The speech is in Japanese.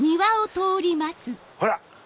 ほら！